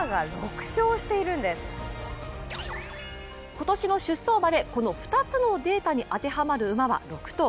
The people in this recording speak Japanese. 今年の出走馬でこの２つに当てはまる馬は６頭。